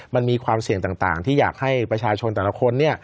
มันมีความเสี่ยงต่างที่อยากให้ประชาชนแต่ละคน